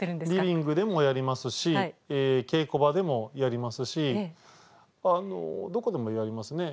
リビングでもやりますし稽古場でもやりますしどこでもやりますね。